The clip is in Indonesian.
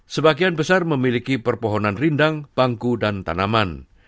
sebagian besar memiliki perpohonan rindang bangku dan tanaman